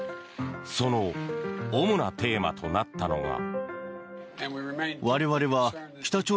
その主なテーマとなったのが。